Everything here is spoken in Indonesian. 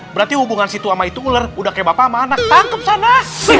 berarti hubungan situ sama itu ular udah kayak bapak sama anak tangkep sana